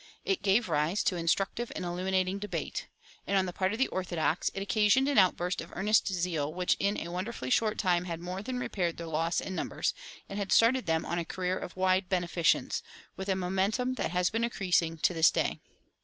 It gave rise to instructive and illuminating debate. And on the part of the Orthodox it occasioned an outburst of earnest zeal which in a wonderfully short time had more than repaired their loss in numbers, and had started them on a career of wide beneficence, with a momentum that has been increasing to this day.